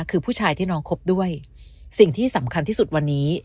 คือผู้ชายที่น้องคบด้วยสิ่งที่สำคัญที่สุดวันนี้